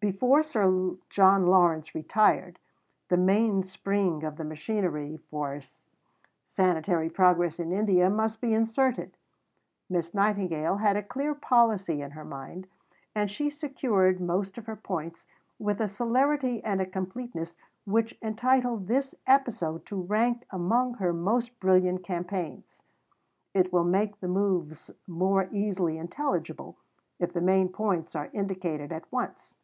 Before Sir John Lawrence retired, the mainspring of the machinery for sanitary progress in India must be inserted. Miss Nightingale had a clear policy in her mind, and she secured most of her points with a celerity and a completeness which entitle this episode to rank among her most brilliant campaigns. It will make the moves more easily intelligible if the main points are indicated at once.